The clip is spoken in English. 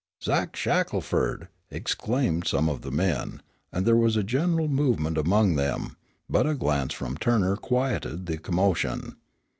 "Zach Shackelford!" exclaimed some of the men, and there was a general movement among them, but a glance from Turner quieted the commotion.